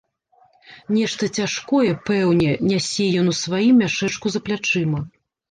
Нешта цяжкое, пэўне, нясе ён у сваім мяшэчку за плячыма.